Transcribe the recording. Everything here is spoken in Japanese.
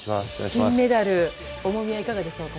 金メダル重みはいかがでしょうか。